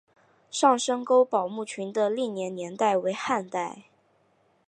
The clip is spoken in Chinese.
上深沟堡墓群的历史年代为汉代。